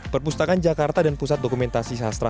perpustakaan jakarta dan pusat dokumentasi sastra